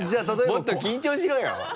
もっと緊張しろよ。